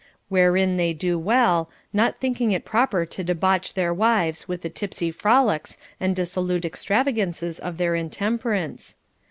Wherein they do well, not thinking it proper to debauch their wives with the tipsy frolics and dissolute extravagances of their in temperance.